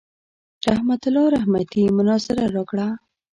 رحمت الله رحمتي مناظره راکړه.